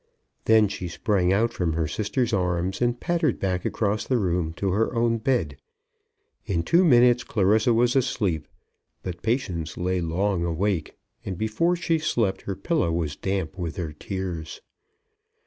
Then she sprang out from her sister's arms, and pattered back across the room to her own bed. In two minutes Clarissa was asleep, but Patience lay long awake, and before she slept her pillow was damp with her tears.